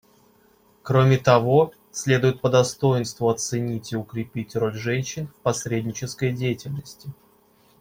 Кроме того, следует по достоинству оценить и укрепить роль женщин в посреднической деятельности.